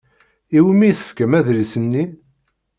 I wumi i tefkam adlis-nni?